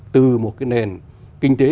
từ một cái nền kinh tế